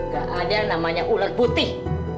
gak ada namanya ular putih